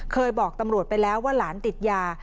เคยบอกตำรวจไปแล้วว่าหลานติดยา